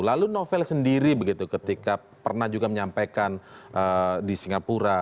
lalu novel sendiri begitu ketika pernah juga menyampaikan di singapura